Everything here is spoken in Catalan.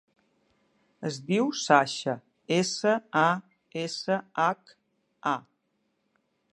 Es diu Sasha: essa, a, essa, hac, a.